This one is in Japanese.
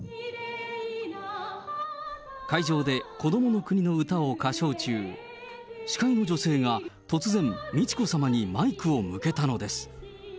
会場でこどもの国の歌を歌唱中、司会の女性が突然、美智子さまにマイクを向けたのです。